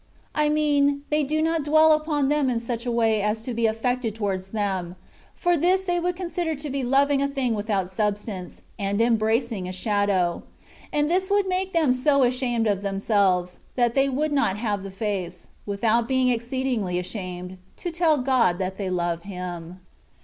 I mean, they do not dwell upon them in such a way as to be aflfected towards them ; for this they would con sider to be loving a thing without substance, and embracing a shadow ; and this would make them so ashamed of themselves, that they would not have the face, without being exceedingly ashamed, to tell God that they love Him.